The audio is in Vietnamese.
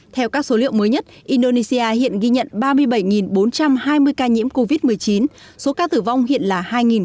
theo các số liệu mới nhất indonesia hiện ghi nhận ba mươi bảy bốn trăm hai mươi ca nhiễm covid một mươi chín số ca tử vong hiện là hai ca